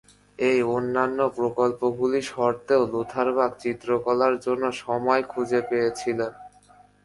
এই অন্যান্য প্রকল্পগুলি সত্ত্বেও, লুথারবার্গ চিত্রকলার জন্য সময় খুঁজে পেয়েছিলেন।